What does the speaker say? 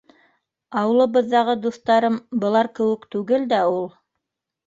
Ауылыбыҙҙағы дуҫтарым былар кеүек түгел дә ул.